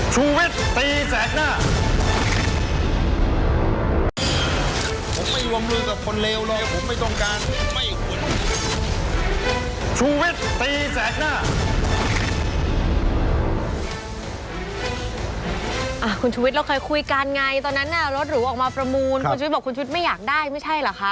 คุณชุวิตเราเคยคุยกันไงตอนนั้นน่ะรถหรูออกมาประมูลคุณชุวิตบอกคุณชุวิตไม่อยากได้ไม่ใช่เหรอคะ